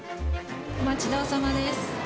お待ちどおさまです。